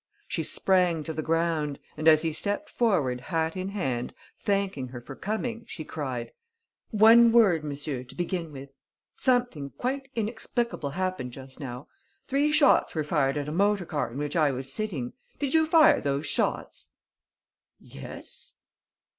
She sprang to the ground, and, as he stepped forward, hat in hand, thanking her for coming, she cried: "One word, monsieur, to begin with. Something quite inexplicable happened just now. Three shots were fired at a motor car in which I was sitting. Did you fire those shots?" "Yes."